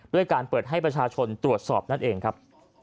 การเปิดให้ประชาชนตรวจสอบนั่นเองครับ